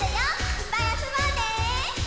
いっぱいあそぼうね！